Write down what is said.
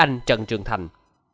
anh trần trừng thành